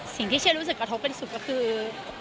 สิ่งที่เชียร์รู้สึกกระทบกันที่สุดก็คือ